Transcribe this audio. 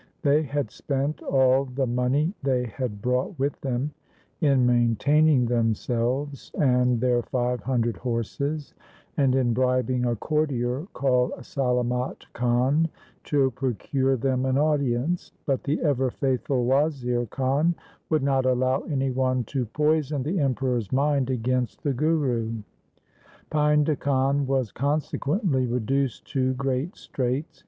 They had spent all the money they had brought with them in maintaining themselves and their five hundred horses, and in bribing a courtier called Salamat Khan to procure them an audience ; but the ever faithful Wazir Khan would not allow any one to poison the Emperor's mind against the Guru. Painda Khan was consequently reduced to great straits.